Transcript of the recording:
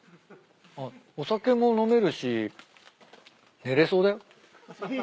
あっお酒も飲めるし寝れそうだよ。